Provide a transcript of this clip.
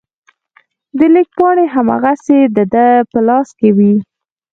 د لیک پاڼې هماغسې د ده په لاس کې وې.